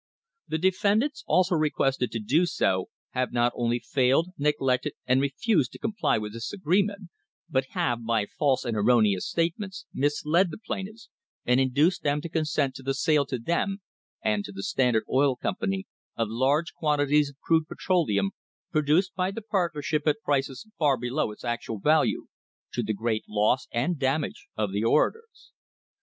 The defendants, although requested to do so, have not only failed, neglected, and refused to comply with this agreement, but have, by false and erroneous statements, misled the plaintiffs, and induced them to consent to the sale to them and to the Standard Oil Company of large quantities of crude petroleum, produced by the partner ship at prices far below its actual value, to the great loss and damage of the orators.